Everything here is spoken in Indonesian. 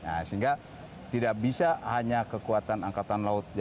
nah sehingga tidak bisa hanya kekuatan angkatan laut